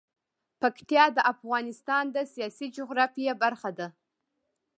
پکتیا د افغانستان د سیاسي جغرافیه برخه ده.